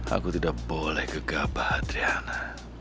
aku tidak boleh gegabah adriana